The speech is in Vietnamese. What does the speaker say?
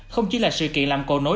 không chỉ là sự kiện làm cầu nối